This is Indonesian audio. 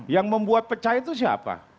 yang membuat pecah itu siapa